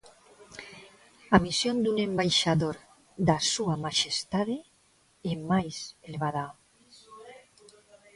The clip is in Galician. A misión dun embaixador da Súa Maxestade é máis elevada.